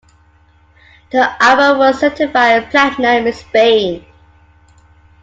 The album was certified Platinum in Spain.